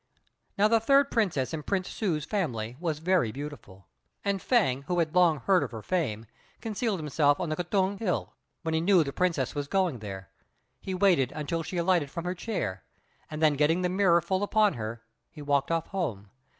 Now the third princess in Prince Su's family was very beautiful; and Fêng, who had long heard of her fame, concealed himself on the K'ung tung hill, when he knew the Princess was going there. He waited until she alighted from her chair, and then getting the mirror full upon her, he walked off home.